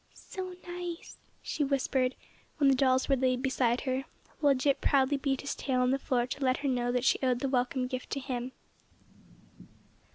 "So nice!" she whispered when the dolls were laid beside her, while Jip proudly beat his tail on the floor to let her know that she owed the welcome gift to him.